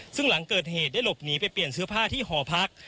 ซึ่งหลังเกิดเหตุได้หลบหนีไปเปลี่ยนเสื้อผ้าที่หอพัก